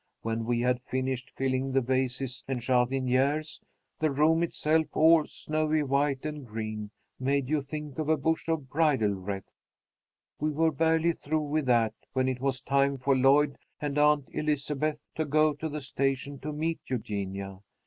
When we had finished filling the vases and jardinières, the room itself all snowy white and green made you think of a bush of bridal wreath. "We were barely through with that when it was time for Lloyd and Aunt Elizabeth to go to the station to meet Eugenia.